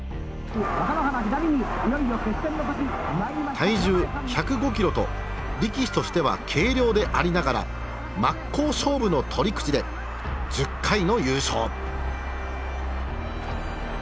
体重１０５キロと力士としては軽量でありながら真っ向勝負の取り口で１０回の優勝。